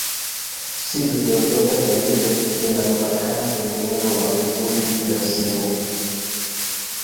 Si video zote za YouTube zinazopatikana kwenye muundo wa tovuti ya simu.